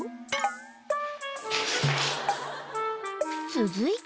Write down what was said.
［続いて］